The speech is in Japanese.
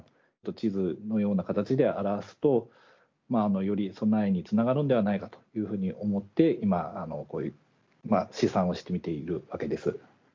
地図のような形で表すとより備えにつながるんではないかというふうに思って今こういう試算をしてみているわけです。